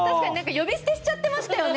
呼び捨てしちゃってましたよね